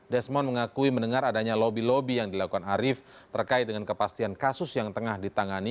desmond mengakui mendengar adanya lobby lobby yang dilakukan arief terkait dengan kepastian kasus yang tengah ditangani